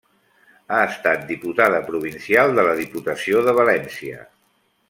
Ha estat diputada provincial de la diputació de València.